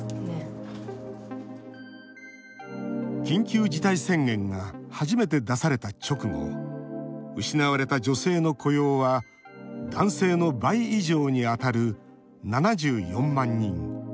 緊急事態宣言が初めて出された直後失われた女性の雇用は男性の倍以上にあたる７４万人。